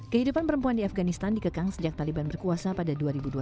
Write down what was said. kehidupan perempuan di afganistan dikekang sejak taliban berkuasa pada dua ribu dua belas